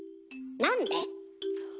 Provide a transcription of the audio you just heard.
なんで？